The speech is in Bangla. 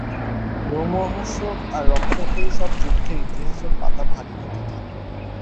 রোমহর্ষক আর রক্তক্ষয়ী সব যুদ্ধে ইতিহাসের পাতা ভারী হতে থাকে।